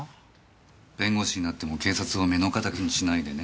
弁護士になっても警察を目の敵にしないでね。